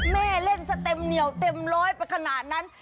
แม่เล่นสเต็มเหนียวเต็มร้อยไปขนาดนั้น